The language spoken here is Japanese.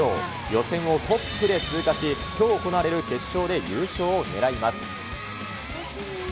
予選をトップで通過し、きょう行われる決勝で優勝を狙います。